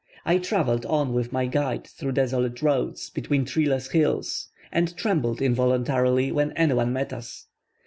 I travelled on with my guide through desolate roads between treeless hills, and trembled involuntarily when any one met us.